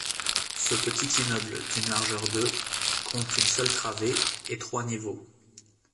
Ce petit immeuble d'une largeur de compte une seule travée et trois niveaux.